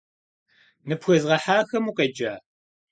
Ныпхуезгъэхьахэм укъеджа?